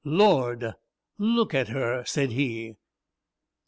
"Lord! Look at her," said he.